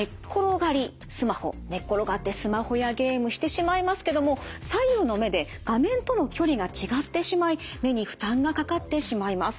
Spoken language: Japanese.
寝っ転がってスマホやゲームしてしまいますけども左右の目で画面との距離が違ってしまい目に負担がかかってしまいます。